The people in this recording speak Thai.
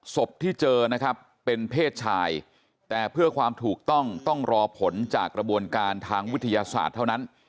ศพที่เจอนะครับเป็นเพศชายแต่เพื่อความถูกต้องต้องรอผลจากกระบวนการทางวิทยาศาสตร์เท่านั้น